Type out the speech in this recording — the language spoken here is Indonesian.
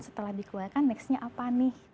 setelah dikeluarkan next nya apa nih